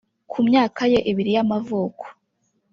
ku myaka ye ibiri y’amavuko